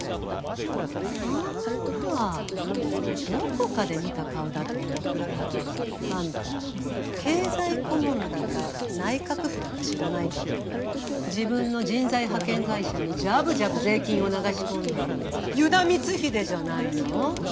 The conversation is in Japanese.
あどこかで見た顔だと思ったらあんた経済顧問だか内閣府だか知らないけれど自分の人材派遣会社にじゃぶじゃぶ税金を流し込んでいる遊田光秀じゃないの？